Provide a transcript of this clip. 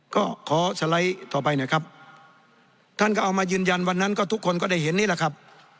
ก็ขอสไลด์ต่อไปนะครับท่านก็เอามายืนยันวันนั้นก็ทุกคนก็ได้เห็นนี่แหละครับ